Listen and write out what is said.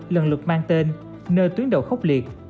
lần lượt mang tên nơi tuyến đầu khốc liệt